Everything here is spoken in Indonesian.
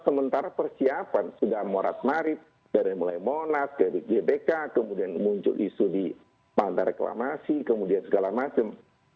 sementara persiapan sudah morat marit dari mulai monas dari gbk kemudian muncul isu di pantai reklamasi kemudian segala macam